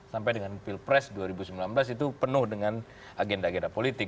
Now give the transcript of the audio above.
sampai dengan pilpres dua ribu sembilan belas itu penuh dengan agenda agenda politik